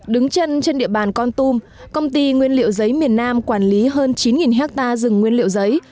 đứng chân trên địa bàn con tum công ty nguyên liệu giấy miền nam quản lý hơn chín hectare rừng nguyên liệu giấy